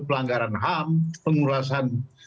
pelanggaran ham pengurasan